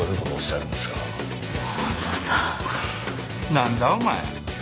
なんだ？お前。